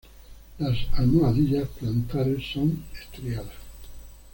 Las almohadillas plantares son estriadas.